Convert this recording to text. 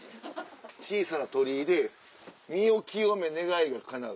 小さな鳥居で身を清め願いがかなう。